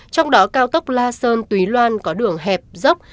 trong đó cao tốc la sơn túy loan có đường hẹp dốc